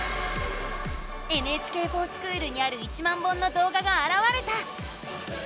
「ＮＨＫｆｏｒＳｃｈｏｏｌ」にある１万本のどうががあらわれた！